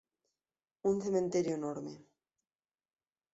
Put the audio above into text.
Un cementerio enorme…"